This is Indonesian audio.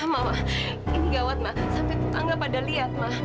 mama ini gawat ma sampai tetangga pada lihat ma